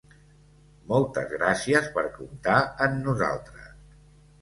Moltes gràcies per comptar en nosaltres.